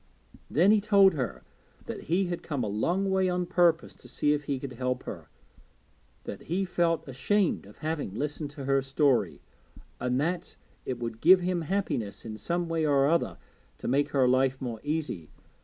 Then he told her that he had come a long way on purpose to see if he could help her; that he felt ashamed of having listened to her story, and that it would give him happiness in some way or other to make her life more easy.